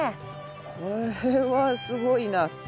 これはすごいな。